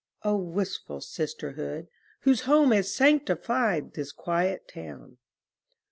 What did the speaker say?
Oh, wistful sisterhood, whose home Has sanctified this quiet town!